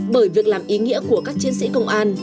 bởi việc làm ý nghĩa của các chiến sĩ công an